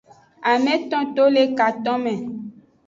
Ameto to le katonme.